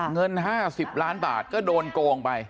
เงิน๕๐ล้านบาทก็โดนโกงไป